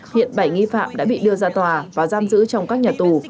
hiện bảy nghi phạm đã bị đưa ra tòa và giam giữ trong các nhà tù